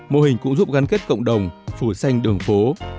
mô hình cũng giúp gắn kết cộng đồng phủ xanh đường phố